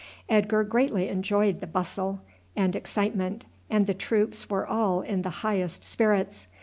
Edgar greatly enjoyed the bustle and excitement, and the troops were all in the highest spirits.